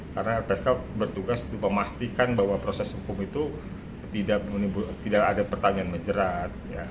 karena rpsk bertugas untuk memastikan bahwa proses hukum itu tidak ada pertanyaan menjerat